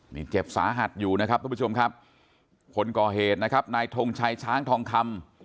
นี่เจ็บสาหัสอยู่นะครับทุกผู้ชมครับคนก่อเหตุนะครับนายทงชัยช้างทองคำ